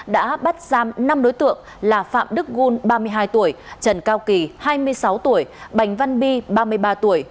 đã bắt giam năm đối tượng là phạm đức gun ba mươi hai tuổi trần cao kỳ hai mươi sáu tuổi bành văn bi ba mươi ba tuổi